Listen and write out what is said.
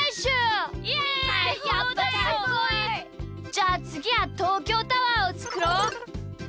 じゃあつぎはとうきょうタワーをつくろう！